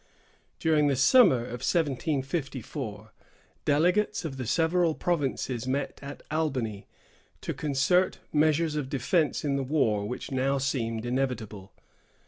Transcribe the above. During the summer of 1754, delegates of the several provinces met at Albany, to concert measures of defence in the war which now seemed inevitable.